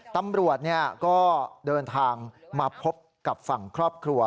ตำรวจก็เดินทางมาพบกับฝั่งครอบครัว